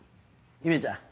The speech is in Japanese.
姫ちゃん